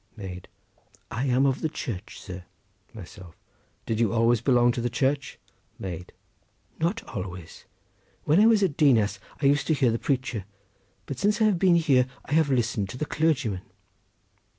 Maid.—I am of the Church, sir. Myself.—Did you always belong to the Church? Maid.—Not always. When I was at Dinas I used to hear the preacher, but since I have been here I have listened to the clergyman.